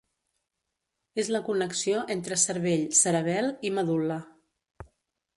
És la connexió entre cervell, cerebel i medul·la.